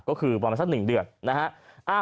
ก็คือประมาณสัก๑เดือนนะฮะ